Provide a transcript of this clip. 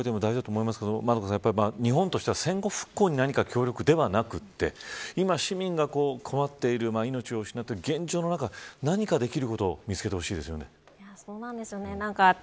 アラブの方たちの声も大事だと思いますが円香さん、日本としては戦後復興に協力するのではなくて今、市民が困っている命を失っている現状の中何かできることを見つけてほしいですね。